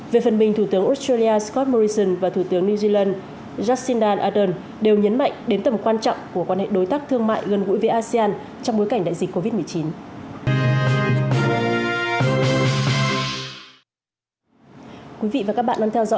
về phần mình thủ tướng australia scott morrison và thủ tướng new zealand jacindan ardern đều nhấn mạnh đến tầm quan trọng của quan hệ đối tác thương mại gần gũi với asean trong bối cảnh đại dịch covid một mươi chín